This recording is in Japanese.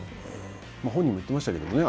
本人も言っていましたけどね。